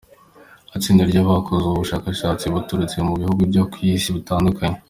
Itsinda ry'abakoze ubu bushakashatsi baturutse mu bihugu byo ku isi bitandukanye.